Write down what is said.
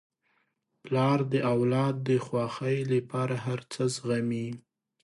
پلار د اولاد د خوښۍ لپاره هر څه زغمي.